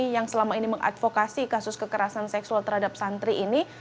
yang selama ini mengadvokasi kasus kekerasan seksual terhadap santri ini